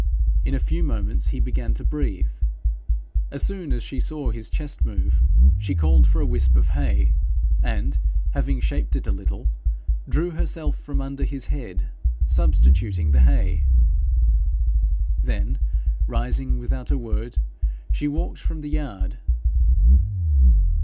In a few moments he began to breathe. As soon as she saw his chest move, she called for a wisp of hay, and having shaped it a little, drew herself from under his head, substituting the hay. Then rising without a word she walked from the yard.